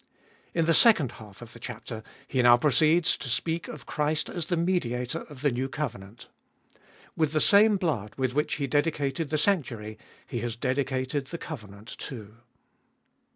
In the second half of the chapter He now proceeds to speak of Christ as the Mediator of the new covenant. With the same 312 Gbe Tboliest of ail blood with which He dedicated the sanctuary He has dedicated the covenant too.